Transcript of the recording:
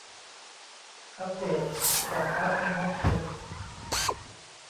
อัพเดต "จับพระในม็อบสึก"